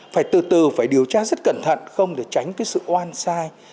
phải từ từ phải điều tra rất cẩn thận không để tránh cái sự oan sai